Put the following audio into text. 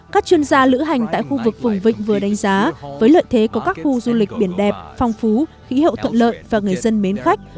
các chuyên gia lữ hành tại khu vực vùng vịnh vừa đánh giá với lợi thế có các khu du lịch biển đẹp phong phú khí hậu thuận lợi và người dân mến khách